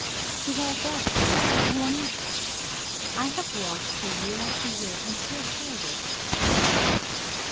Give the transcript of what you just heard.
She loves us; no one else. I have watched her year after year, and feel sure of it."